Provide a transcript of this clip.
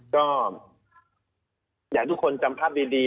ก็อยากทุกคนจำภาพดี